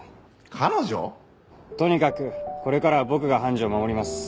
とにかくこれからは僕が判事を守ります。